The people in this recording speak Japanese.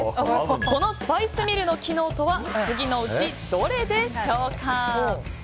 このスパイスミルの機能とは次のうちどれでしょうか。